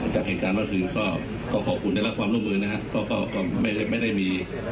จากเหตุการณ์เมื่อคืนก็ก็ขอบคุณในลักษณะความร่วมมือนะฮะก็ก็ก็ไม่ได้ไม่ได้มี